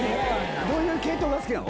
どういう系統が好きなの？